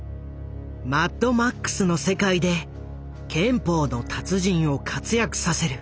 「マッドマックス」の世界で拳法の達人を活躍させる。